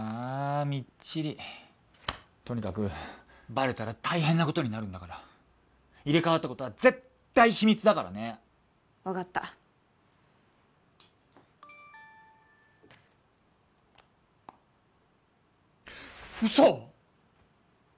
みっちりとにかくバレたら大変なことになるんだから入れ替わったことは絶対秘密だからね分かったウソ！